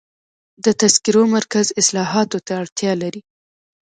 د تذکرو مرکز اصلاحاتو ته اړتیا لري.